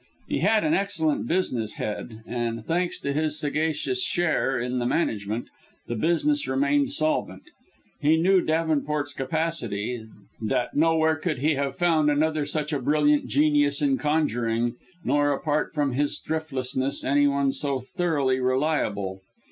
He had an excellent business head, and, thanks to his sagacious share in the management, the business remained solvent. He knew Davenport's capacity that nowhere could he have found another such a brilliant genius in conjuring nor, apart from his thriftlessness, any one so thoroughly reliable.